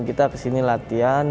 bukan yang di sini latihan